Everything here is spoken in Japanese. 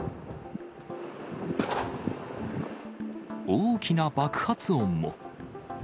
大きな爆発音も。